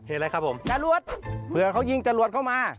อะไรครับผมจรวดเผื่อเขายิงจรวดเข้ามา